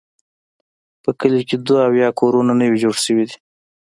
په کلي کې دوه اویا کورونه نوي جوړ شوي دي.